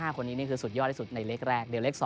๕คนนี้นี่คือสุดยอดที่สุดในเล็กแรกเดี๋ยวเลข๒